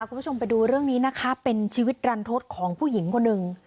คุณผู้ชมไปดูเรื่องนี้นะคะเป็นชีวิตรันทศของผู้หญิงคนหนึ่ง